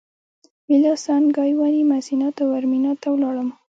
ویلاسان ګایواني مسینا تاورمینا ته ولاړم.